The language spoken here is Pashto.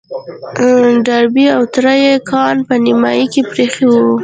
ډاربي او تره يې کان په نيمايي کې پرېيښی و.